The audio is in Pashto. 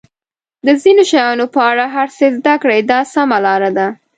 د ځینو شیانو په اړه هر څه زده کړئ دا سمه لار ده.